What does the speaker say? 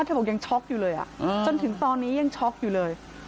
เธอบอกยังช็อคอยู่เลยอ่ะอืมจนถึงตอนนี้ยังช็อคอยู่เลย